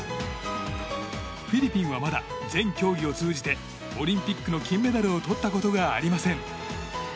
フィリピンはまだ全競技を通じてオリンピックの金メダルをとったことがありません。